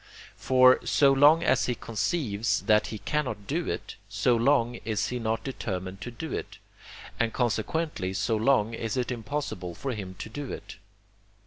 For, so long as he conceives that he cannot do it, so long is he not determined to do it, and consequently so long is it impossible for him to do it.